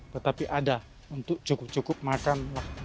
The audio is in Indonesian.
tetapi ada untuk cukup cukup makan